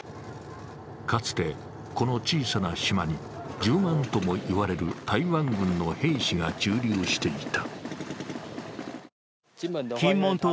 かつて、この小さな島に１０万とも言われる台湾軍の兵士が駐留していた。